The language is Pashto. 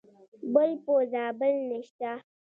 بل په زابل نشته .